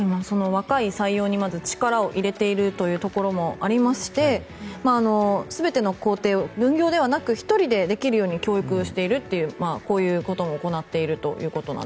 若い採用に力を入れているところもありまして全ての工程を分業ではなく１人でできるように教育しているというこういうことも行っていると。